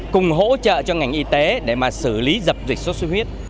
cùng hỗ trợ cho ngành y tế để mà xử lý dập dịch sốt xuất huyết